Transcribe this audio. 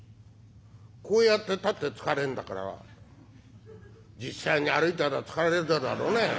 こうやってたって疲れんだから実際に歩いたら疲れるだろうね」。